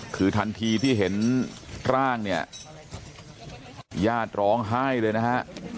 คือทันทีที่เห็นร่างเนี่ยญาติร้องไห้เลยนะฮะ